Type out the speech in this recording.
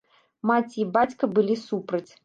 Маці і бацька былі супраць.